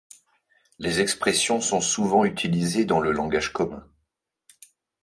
Les expressions sont souvent utilisées dans le langage commun.